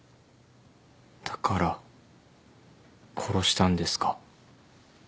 だから殺したんですか？